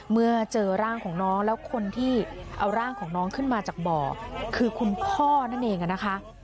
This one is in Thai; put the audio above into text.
เมื่อเจอร่างของน้องแล้วคนที่เอาร่างของน้องขึ้นมาจากบ่อคือคุณพ่อนั่นเองนะคะ